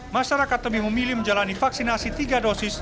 masyarakat demi memilih menjalani vaksinasi tiga dosis